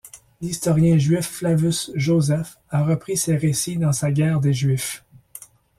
L’historien juif Flavius Josèphe a repris ces récits dans sa Guerre des Juifs.